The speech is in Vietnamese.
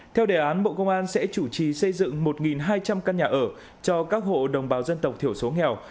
theo đề án bộ công an sẽ chủ trì xây dựng một hai trăm linh căn nhà ở cho các hộ đồng bào dân tộc thiểu số nghèo